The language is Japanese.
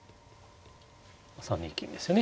３二金ですよね。